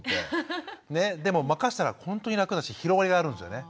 でも任したらほんとに楽だし広がりがあるんですよね。